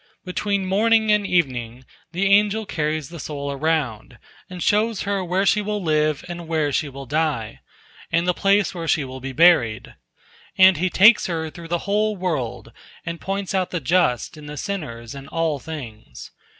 Between morning and evening the angel carries the soul around, and shows her where she will live and where she will die, and the place where she will buried, and he takes her through the whole world, and points out the just and the sinners and all things.